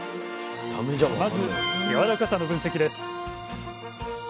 まずやわらかさの分析です。